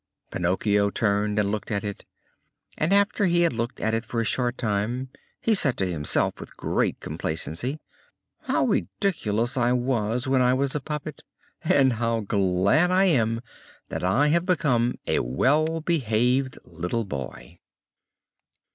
Pinocchio turned and looked at it; and, after he had looked at it for a short time, he said to himself with great complacency: "How ridiculous I was when I was a puppet! And how glad I am that I have become a well behaved little boy!"